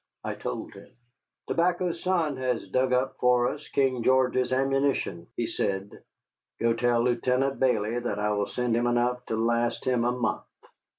I told him. "Tobacco's Son has dug up for us King George's ammunition," he said. "Go tell Lieutenant Bayley that I will send him enough to last him a month."